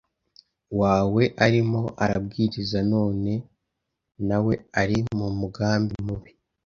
wawe arimo arabwiriza none nawe uri mu mugambi mibi?